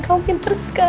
kau pintar sekali